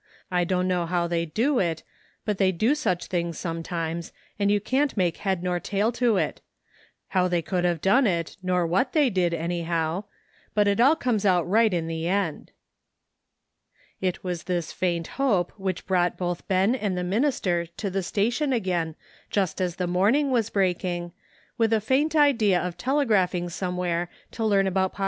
I dunno how they do it, but they do such things some times, and you can't make head nor tail to it — how they could have done it, nor what they did, anyhow — but it all comes out right in the end." It was this faint hope which brought both Ben and the minister to the station again just as the morning was breaking, with a faint idea of telegraphing somewhere to learn about pos 119 120 WAITING.